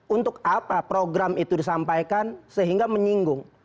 untuk apa program itu disampaikan sehingga menyinggung